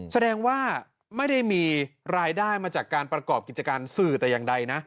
แสดงว่าไม่ได้มีรายได้มาจากการประกอบกิจการสื่อแต่อย่างใดนะ